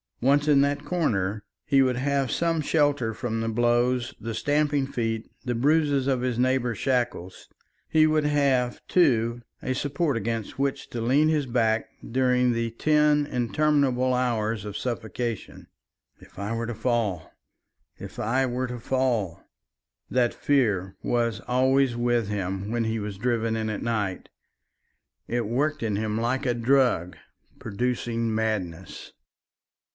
Once in that corner, he would have some shelter from the blows, the stamping feet, the bruises of his neighbour's shackles; he would have, too, a support against which to lean his back during the ten interminable hours of suffocation. "If I were to fall! If I were to fall!" That fear was always with him when he was driven in at night. It worked in him like a drug producing madness.